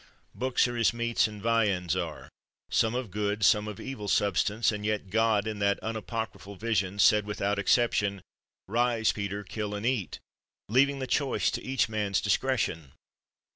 Books are as meats and viands are — some of good, some of evil substance; and yet God, in that unapocryphal vision, said without exception, Rise, Peter, kill and eat, leaving the choice to each man's discretion.